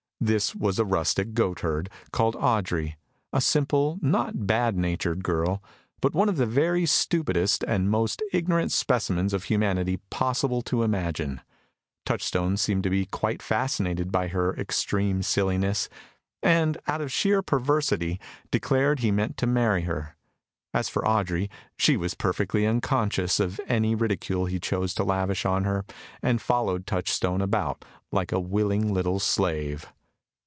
This was a rustic goatherd, called Audrey, a simple, not bad natured girl, but one of the very stupidest and most ignorant specimens of humanity possible to imagine. Touchstone seemed to be quite fascinated by her extreme silliness, and out of sheer perversity declared he meant to marry her. As for Audrey, she was perfectly unconscious of any ridicule he chose to lavish on her, and followed Touchstone about like a willing little slave.